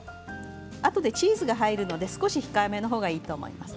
あとでチーズが入るので少し控えめなほうがいいと思います。